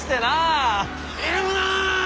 ひるむな！